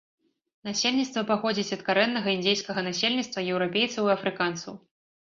Насельніцтва паходзіць ад карэннага індзейскага насельніцтва, еўрапейцаў і афрыканцаў.